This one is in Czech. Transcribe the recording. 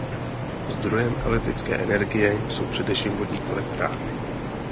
Zdrojem elektrické energie jsou především vodní elektrárny.